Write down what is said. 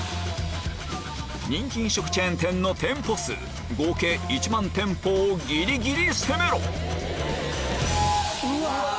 人気飲食チェーン店の店舗数合計１万店舗をギリギリ攻めろうわ！